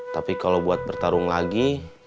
tapi kalau buat bertarung lagi